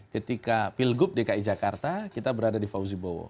ketika pilgub dki jakarta kita berada di fauzi bowo